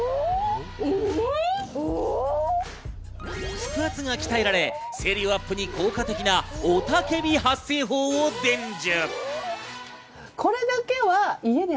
腹圧が鍛えられ、声量アップに効果的なオタケビ発声法を伝授。